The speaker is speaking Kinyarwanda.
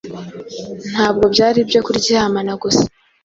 Ntabwo byari ibyo kuryamana gusa,